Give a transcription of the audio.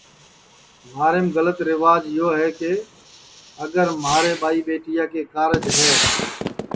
مہاریم گلت ریواج یو ہے کہ اگر مہارے ٻائی ٻیٹیا کے کارج ہے